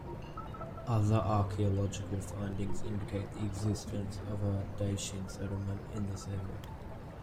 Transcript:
Other archaeological findings indicate the existence of a Dacian settlement in this area.